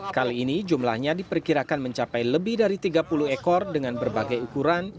kali ini jumlahnya diperkirakan mencapai lebih dari tiga puluh ekor dengan berbagai ukuran